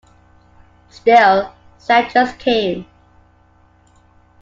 Still, settlers came.